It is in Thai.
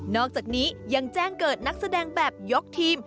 อกจากนี้ยังแจ้งเกิดนักแสดงแบบยกทีม